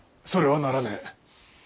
それはならねぇ。